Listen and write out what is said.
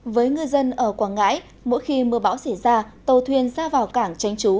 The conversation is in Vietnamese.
với ngư dân ở quảng ngãi mỗi khi mưa bão xảy ra tàu thuyền ra vào cảng tránh trú